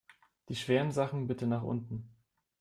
Die schweren Sachen bitte nach unten!